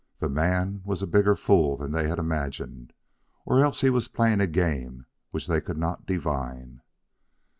The man was a bigger fool than they had imagined, or else he was playing a game which they could not divine.